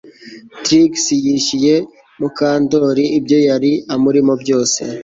Trix yishyuye Mukandoli ibyo yari amurimo byose